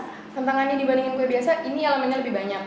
tantangannya dibandingin dengan kue biasa ini elemennya lebih banyak